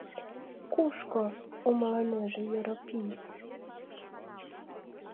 — Кушко? — умылынеже Йоропий.